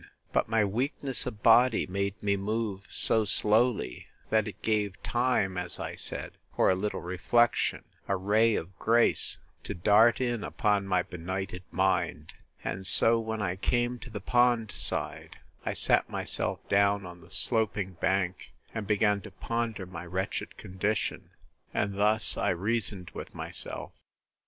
But my weakness of body made me move so slowly, that it gave time, as I said, for a little reflection, a ray of grace, to dart in upon my benighted mind; and so, when I came to the pond side, I sat myself down on the sloping bank, and began to ponder my wretched condition; and thus I reasoned with myself.